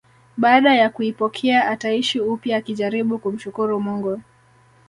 Baada ya kuipokea ataishi upya akijaribu kumshukuru Mungu